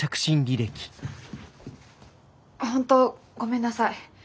本当ごめんなさい。